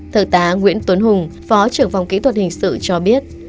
thượng tá nguyễn tuấn hùng phó trưởng phòng kỹ thuật hình sự cho biết